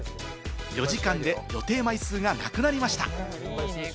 ４時間で予定枚数がなくなりました。